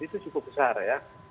itu cukup besar ya